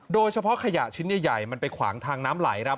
โดยเฉพาะขยะชิ้นใหญ่มันไปขวางทางน้ำไหลครับ